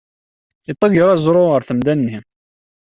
Iḍegger aẓru ɣer temda-nni.